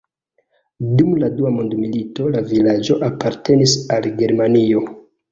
Dum la Dua Mondmilito la vilaĝo apartenis al Germanio.